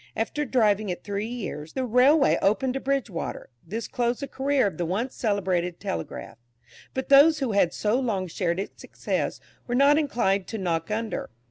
After driving it three years, the railway opened to Bridgewater; this closed the career of the once celebrated "Telegraph." But those who had so long shared its success, were not inclined to knock under.